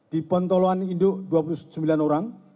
di pontoloan induk dua puluh sembilan orang